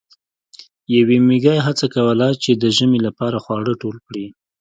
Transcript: یوې میږی هڅه کوله چې د ژمي لپاره خواړه ټول کړي.